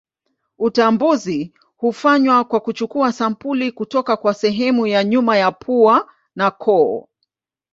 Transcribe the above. Utambuzi hufanywa kwa kuchukua sampuli kutoka kwa sehemu ya nyuma ya pua na koo.